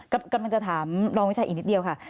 กำลังจะถามรองวิชัยอีกนิดเดียวค่ะ